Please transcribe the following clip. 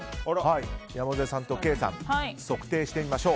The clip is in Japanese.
山添さんと、ケイさん測定してみましょう。